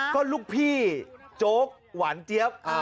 ก็ลูกพี่โจ๊กหวานเจี๊ยบ